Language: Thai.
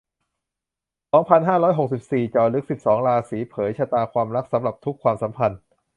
สองพันห้าร้อยหกสิบสี่ เจาะลึก สิบสอง ราศี เผยชะตาความรักสำหรับทุกความสัมพันธ์